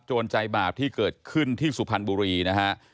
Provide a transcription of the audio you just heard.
ใจบาปที่เกิดขึ้นที่สุพรรณบุรีนะฮะ